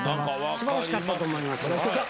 素晴らしかったと思います。